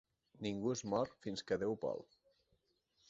Ningú es mor fins que Déu vol.